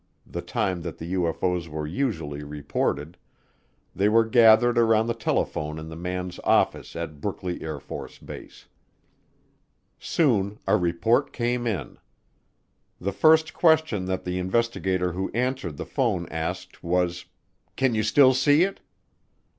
the time that the UFO's were usually reported, they were gathered around the telephone in the man's office at Brookley AFB. Soon a report came in. The first question that the investigator who answered the phone asked was, "Can you still see it?"